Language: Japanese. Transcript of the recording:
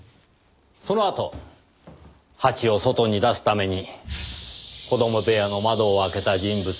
そのあとハチを外に出すために子供部屋の窓を開けた人物を横手が見ています。